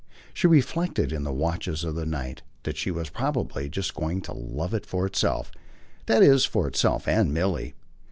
She reflected in the watches of the night that she was probably just going to love it for itself that is for itself and Milly.